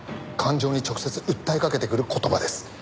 感情に直接訴えかけてくる言葉です。